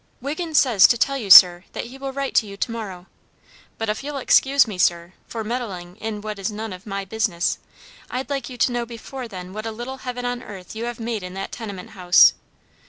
"Wiggins says to tell you, sir, that he will write to you to morrow, but if you'll excuse me, sir, for meddling in what is none of my business, I'd like you to know before then what a little heaven on earth you have made in that tenement house.